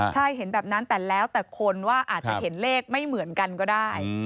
ใช่เห็นแบบนั้นแต่แล้วแต่คนว่าอาจจะเห็นเลขไม่เหมือนกันก็ได้